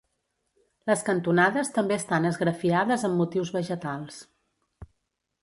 Les cantonades també estan esgrafiades amb motius vegetals.